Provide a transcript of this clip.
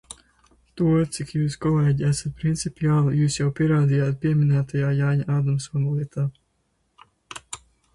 To, cik jūs, kolēģi, esat principiāli, jūs jau pierādījāt pieminētajā Jāņa Ādamsona lietā.